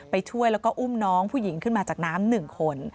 ช่วยแล้วก็อุ้มน้องผู้หญิงขึ้นมาจากน้ำ๑คน